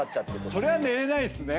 それは寝れないっすね。